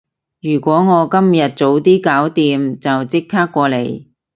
如果我今日早啲搞掂，就即刻過嚟